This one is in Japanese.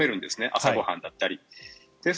朝ご飯だったり。